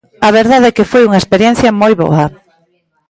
A verdade é que foi unha experiencia moi boa.